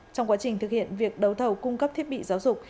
trong quá trình thực hiện việc đấu thầu cung cấp thiết bị giáo dục